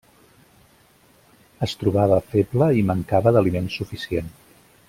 Es trobava feble i mancava d'aliment suficient.